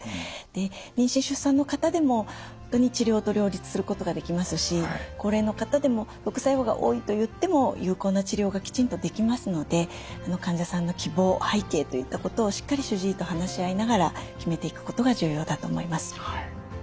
で妊娠・出産の方でも本当に治療と両立することができますし高齢の方でも副作用が多いといっても有効な治療がきちんとできますので患者さんの希望背景といったことをしっかり主治医と話し合いながら決めていくことが重要だと思います。